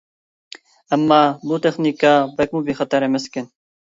ئەمما بۇ تېخنىكا بەكمۇ بىخەتەر ئەمەس ئىكەن.